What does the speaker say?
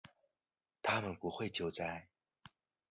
他们不会救灾